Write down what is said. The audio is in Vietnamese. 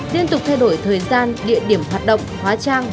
liên tục thay đổi thời gian địa điểm hoạt động hóa trang